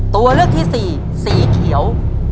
ตัวเลือกที่สี่สีเขียว